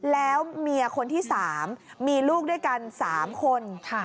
แล้วเมียคนที่๓มีลูกด้วยกัน๓คน